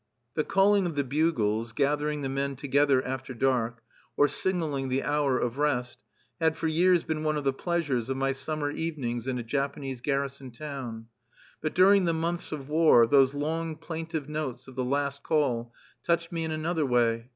The calling of the bugles, gathering the men together after dark, or signaling the hour of rest, had for years been one of the pleasures of my summer evenings in a Japanese garrison town. But during the months of war, those long, plaintive notes of the last call touched me in another way.